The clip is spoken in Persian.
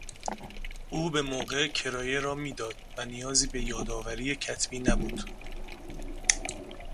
او به موقع کرایه را میداد و نیازی به یادآوری کتبی نبود.